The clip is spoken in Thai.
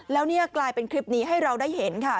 แล้วนี่กลายเป็นคลิปนี้ให้เราได้เห็นค่ะ